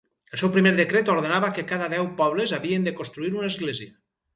El seu primer decret ordenava que cada deu pobles havien de construir una església.